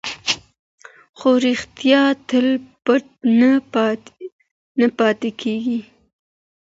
خو رښتیا تل پټ نه پاتې کېږي.